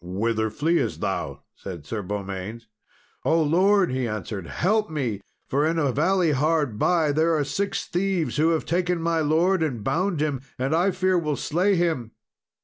"Whither fleest thou?" said Sir Beaumains. "O lord!" he answered, "help me; for, in a valley hard by, there are six thieves, who have taken my lord, and bound him, and I fear will slay him."